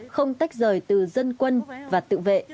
không tách rời từ dân quân và tự vệ